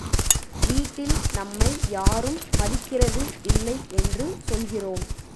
வீட்டில் நம்மை யாரும் மதிக்கிறது இல்லை என்று சொல்கிறோம்.